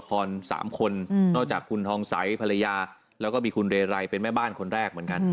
๓คนนอกจากคุณทองใสภรรยาแล้วก็มีคุณเรไรเป็นแม่บ้านคนแรกเหมือนกัน